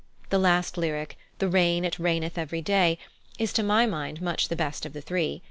The last lyric, "The rain it raineth every day," is, to my mind, much the best of the three.